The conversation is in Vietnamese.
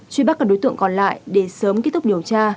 truy bắt các đối tượng còn lại để sớm kết thúc điều tra